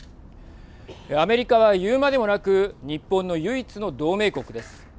アメリカは言うまでもなく日本の唯一の同盟国です。